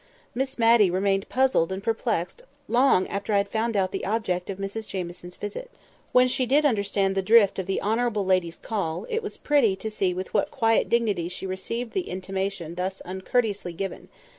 Miss Matty remained puzzled and perplexed long after I had found out the object of Mrs Jamieson's visit. When she did understand the drift of the honourable lady's call, it was pretty to see with what quiet dignity she received the intimation thus uncourteously given.